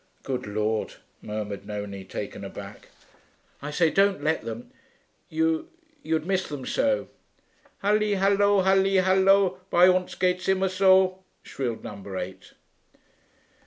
'Good Lord!' murmured Nonie, taken aback. 'I say, don't let them. You you'd miss them so.' 'Halli, hallo, halli, hallo! Bei uns geht's immer so!' shrilled number eight.